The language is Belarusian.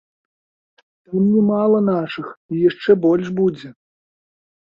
Там не мала нашых і яшчэ больш будзе.